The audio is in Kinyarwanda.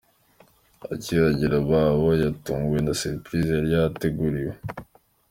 Akihagera Babo yatunguwe na 'Surprise' yari yateguriwe.